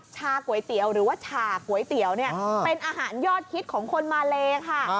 ชาก๋วยเตี๋ยวหรือว่าฉากก๋วยเตี๋ยวเนี่ยเป็นอาหารยอดฮิตของคนมาเลค่ะ